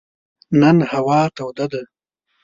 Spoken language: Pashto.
نن هوا توده ده.